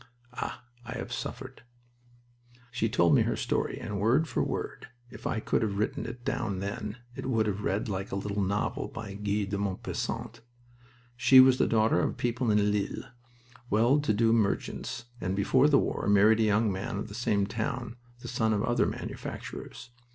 "Ah, I have suffered!" She told me her story, and word for word, if I could have written it down then, it would have read like a little novel by Guy de Maupassant. She was the daughter of people in Lille, well to do merchants, and before the war married a young man of the same town, the son of other manufacturers.